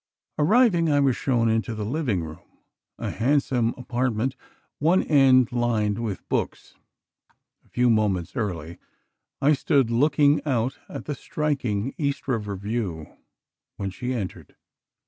Arriving, I was shown into the living room, a handsome apartment, one end lined with books. A few moments early, I stood looking out at the striking East River view, when she entered.